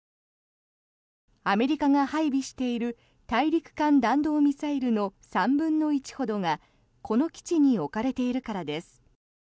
アメリカが配備している大陸間弾道ミサイルの３分の１ほどがこの基地に置かれているからです。